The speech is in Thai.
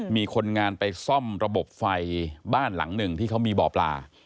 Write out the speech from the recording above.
มีคนงานไปซ่อมระบบไฟบ้านหลังหนึ่งที่เขามีบ่อปลา